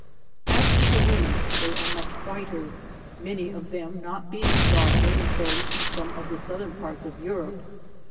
As to the women, they are much whiter, many of them not being darker than those in some of the Southern parts of Europe.